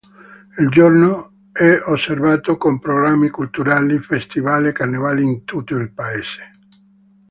Il giorno è osservato con programmi culturali, festival e carnevali in tutto il paese.